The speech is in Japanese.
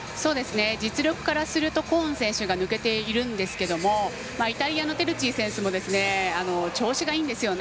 実力からするとコーン選手が抜けてるんですけどイタリアのテルツィ選手も調子がいいんですよね。